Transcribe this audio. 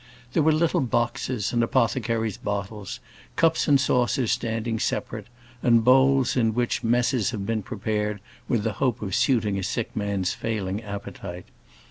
There were little boxes and apothecaries' bottles, cups and saucers standing separate, and bowls, in which messes have been prepared with the hope of suiting a sick man's failing appetite.